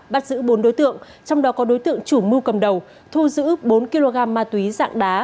bắt giữ bốn đối tượng trong đó có đối tượng chủ mưu cầm đầu thu giữ bốn kg ma túy dạng đá